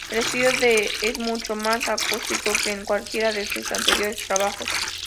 El estilo es mucho más acústico que en cualquiera de sus anteriores trabajos.